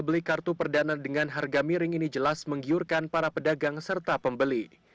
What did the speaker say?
pembeli kartu perdana dengan harga miring ini jelas menggiurkan para pedagang serta pembeli